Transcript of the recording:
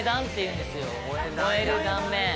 萌える断面。